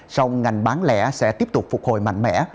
song ngành bán lẻ sẽ tiếp tục phục hồi mạnh mẽ